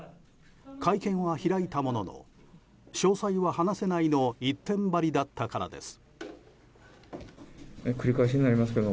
会見を開いたものの詳細は話せないの一点張りだったからです。